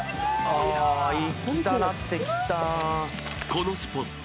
［このスポット］